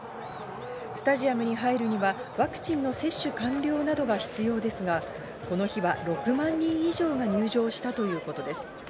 スタジアムに入るにはワクチンの接種完了などが必要ですが、この日は６万人以上が入場したということです。